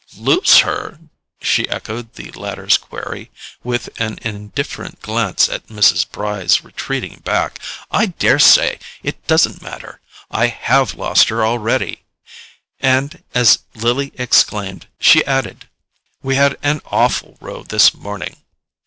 "Lose her?" she echoed the latter's query, with an indifferent glance at Mrs. Bry's retreating back. "I daresay—it doesn't matter: I HAVE lost her already." And, as Lily exclaimed, she added: "We had an awful row this morning.